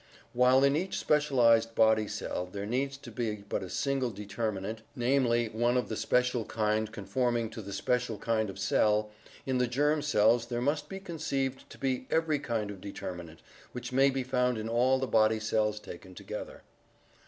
While in each specialized body cell there needs to be but a single determinant, namely, one of the special kind conforming to the special kind of cell, in the germ cells there must be conceived to be every kind of determinant which may be found in all the body cells taken together.